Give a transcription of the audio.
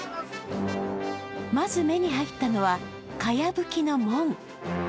まず目に入ったのはかやぶきの門。